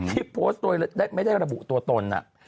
ที่โพสต์โดยไม่ได้ระบุตัวตน